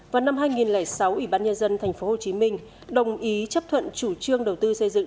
vào năm hai nghìn sáu ủy ban nhân dân tp hcm đồng ý chấp thuận chủ trương đầu tư xây dựng